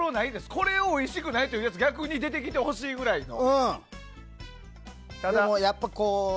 これをおいしくないというやつ出てきてほしいくらいの。